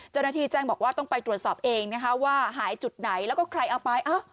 เจ้าหน้าที่แจ้งบอกว่าต้องไปตรวจสอบเองนะคะว่าหายจุดไหนแล้วก็ใครเอาไป